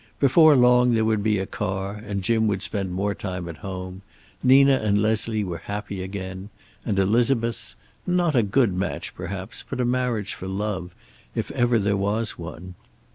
Before long there would be a car, and Jim would spend more time at home. Nina and Leslie were happy again. And Elizabeth not a good match, perhaps, but a marriage for love, if ever there was one.